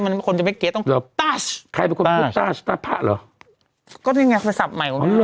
มันคนจะไม่เกลียดต้องต้าสต้าสต้าสต้าสพะหรอก็ได้ไงศัพท์ใหม่